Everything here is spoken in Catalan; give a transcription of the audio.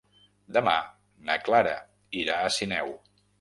Demà na Clara irà a Sineu.